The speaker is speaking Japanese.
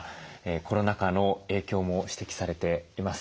コロナ禍の影響も指摘されています。